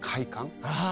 ああ！